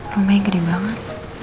rumahnya gede banget